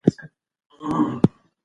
په کلي کې خلک په پلي لارو ګرځي.